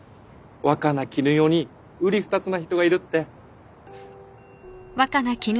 若菜絹代にうり二つな人がいるって。